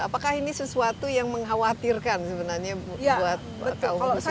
apakah ini sesuatu yang mengkhawatirkan sebenarnya buat kaum muslimin